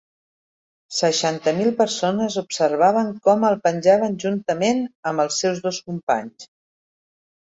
Seixanta mil persones observaven com el penjaven juntament amb els seus dos companys.